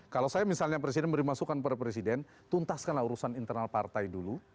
kalau saya misalnya presiden memberi masukan pada presiden tuntaskanlah urusan internal partai dulu